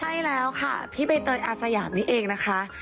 ใช่แล้วค่ะพี่ใบเตยอาสยามนี้เองนะคะ